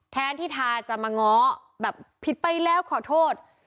แทนที่ทาจะมาง้อแบบผิดไปแล้วขอโทษ